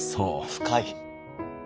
深い。